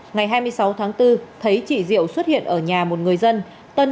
ngày hai mươi sáu tháng bốn thấy chị diệu xuất hiện ở nhà một người dân